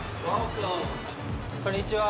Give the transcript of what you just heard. こんにちは。